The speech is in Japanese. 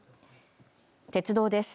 鉄道です。